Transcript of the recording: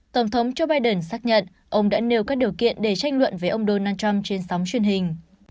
tổng thống joe biden xác nhận ông đã nêu các điều kiện để tranh luận với ông donald trump trên sóng truyền hình